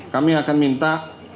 kami akan minta